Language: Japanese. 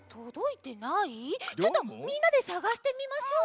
ちょっとみんなでさがしてみましょう。